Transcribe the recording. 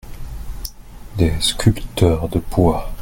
des sculpteurs de bois.